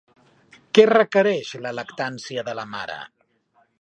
Què requereix la lactància de la mare?